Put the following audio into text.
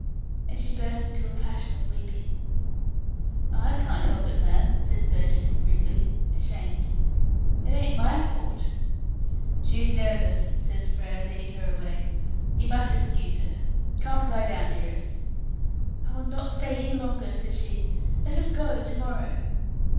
And she burst into a passion of weeping. "I can't help it, ma'am," says Burgess, rudely, ashamed. "It ain't my fault." "She's nervous," says Frere, leading her away. "You must excuse her. Come and lie down, dearest." "I will not stay here longer," said she. "Let us go to morrow."